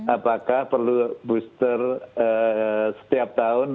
apakah perlu booster setiap tahun